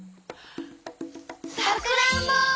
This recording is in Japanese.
さくらんぼ！